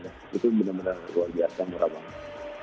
itu benar benar luar biasa murah banget